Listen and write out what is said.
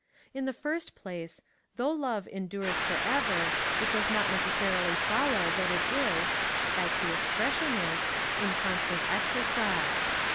In the^irs^ place, though love endnres for ever, it does not necessarily follow that it is (as the expression is) in constant exercise.